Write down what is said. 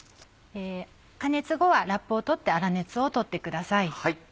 加熱後はラップを取って粗熱を取ってください。